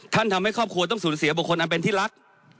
ทำให้ครอบครัวต้องสูญเสียบุคคลอันเป็นที่รัก